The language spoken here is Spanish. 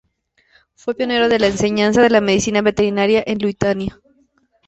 Fue pionero de la enseñanza de la medicina veterinaria, en Lituania.